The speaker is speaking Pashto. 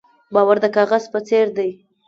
باور د کاغذ په څېر دی.